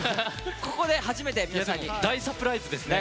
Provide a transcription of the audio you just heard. ここで初めて、皆さんに。